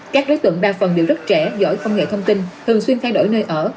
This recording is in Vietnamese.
các đối tượng đa phần đều rất trẻ giỏi công nghệ thông tin thường xuyên thay đổi nơi ở